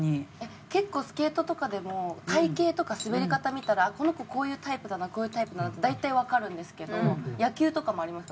結構スケートとかでも体形とか滑り方見たらこの子こういうタイプだなこういうタイプだなって大体わかるんですけど野球とかもありますか？